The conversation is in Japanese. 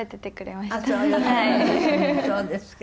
そうですか。